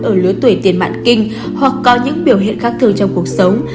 ở lứa tuổi tiền mạng kinh hoặc có những biểu hiện khác thường trong cuộc sống